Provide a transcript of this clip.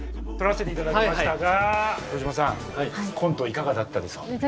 撮らせていただきましたが黒島さんコントいかがだったですか？